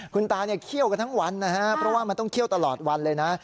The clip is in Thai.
คุณตาเนี่ยเคี่ยวกันทั้งวันนะฮะเพราะว่ามันต้องเคี่ยวตลอดวันเลยนะ